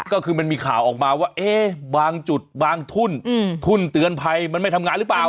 ก็คือมันมีข่าวออกมาว่าบางจุดบางทุ่นทุ่นเตือนภัยมันไม่ทำงานหรือเปล่า